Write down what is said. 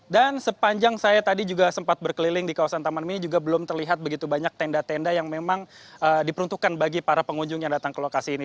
dan sepanjang saya tadi juga sempat berkeliling di kawasan taman mini juga belum terlihat begitu banyak tenda tenda yang memang diperuntukkan bagi para pengunjung yang datang ke lokasi ini